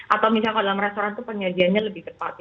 atau misalnya kalau dalam restoran itu penyajiannya lebih cepat